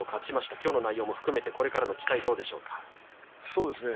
きょうの内容も含めてこれからの期待どうですか。